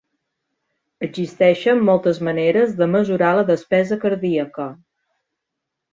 Existeixen moltes maneres de mesurar la despesa cardíaca.